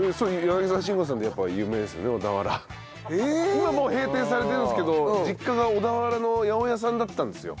今もう閉店されてるんですけど実家が小田原の八百屋さんだったんですよ。